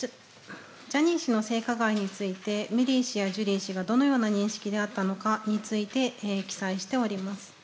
ジャニー氏の性加害について、メリー氏やジュリー氏がどのような認識であったのかについて記載しております。